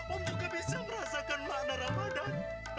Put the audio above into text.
om juga bisa merasakan makna ramadan